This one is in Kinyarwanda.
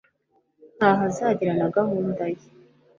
ntaho azagera na gahunda ye